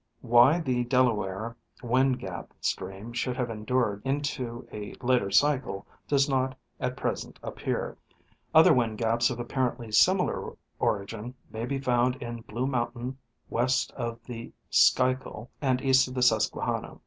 Why the Delaware wind gap stream should have endured into a later cycle does not at present appear. Other wind gaps of appar ently similar origin may be found in Blue mountain west of the Schuylkill and east of the Susquehanna.